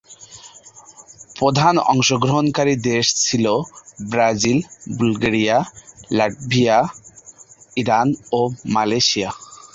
প্রধান অংশগ্রহণকারী দেশ ছিল ব্রাজিল, বুলগেরিয়া, লাটভিয়া, ইরান ও মালয়েশিয়া।